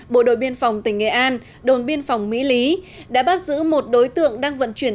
bộ đội biên phòng tỉnh nghệ an đồn biên phòng mỹ lý đã bắt giữ một đối tượng đang vận chuyển